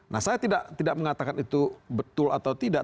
nah saya tidak mengatakan itu betul atau tidak